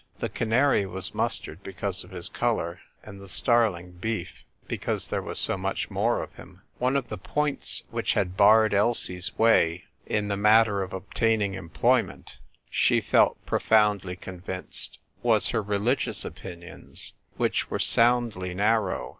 The canary was Mustard because of his colour, and the starling Beef because there was so much more of him. One of the points which had barred Elsie's way in the matter of obtaining employment, FRESH LIGHT ON ROMEO. l6l she felt profoundly convinced, was her reli gious opinions, which were soundly narrow.